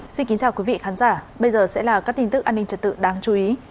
xin kính chào quý vị khán giả bây giờ sẽ là các tin tức an ninh trật tự đáng chú ý